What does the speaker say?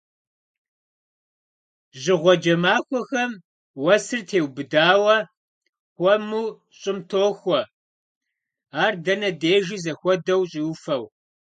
Жьыгъуэджэ махуэхэм уэсыр теубыдауэ, хуэму щӏым тохуэ, ар дэнэ дежи зэхуэдэу щӏиуфэу.